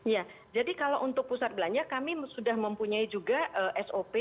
ya jadi kalau untuk pusat belanja kami sudah mempunyai juga sop